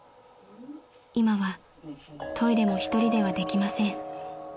［今はトイレも一人ではできません］